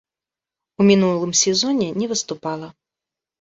У мінулым сезоне не выступала.